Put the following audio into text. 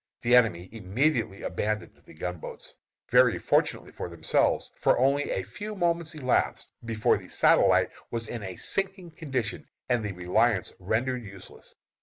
The enemy immediately abandoned the gunboats very fortunately for themselves, for only a few moments elapsed before the Satellite was in a sinking condition, and the Reliance rendered useless.